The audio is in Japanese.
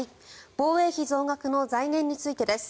防衛費増額の財源についてです。